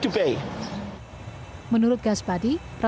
menurut gas padi